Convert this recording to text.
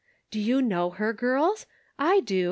" Do you know her, girls? I do.